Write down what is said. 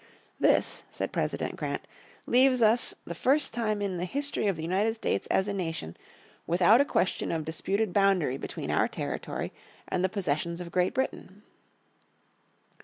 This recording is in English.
"This," said President Grant, "leaves us for the first time in the history of the United States as a nation, without a question of disputed boundary between our territory and the possessions of Great Britain."